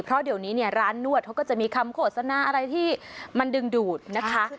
เพราะเดี๋ยวนี้เนี่ยร้านนวดเขาก็จะมีคำโฆษณาอะไรที่มันดึงดูดนะคะ